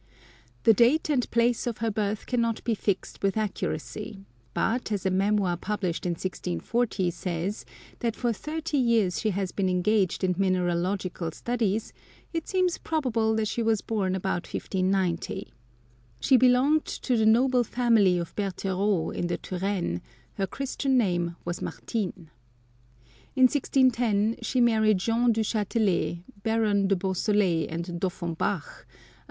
The date and place of her birth cannot be fixed with accuracy; but, as a memoir published in 1640 says that for thirty years she had been engaged in mineralogical studies, it seems probable that she was born about i 590. She belonged to the noble family of Bertercau, in the Touraine ; her Christian name was Martine. In 1610 she married Jean du Chatelet, Baron de Beausoleil and d'Auffenbach, a.